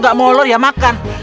gak mau olor ya makan